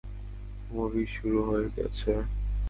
Movie শুরু হয়ে গেছে।